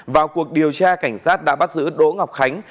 vào cuộc điều tra cảnh sát đã bắt giữ đỗ ngọc khánh